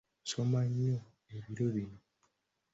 Nsoma nnyo ebiro bino.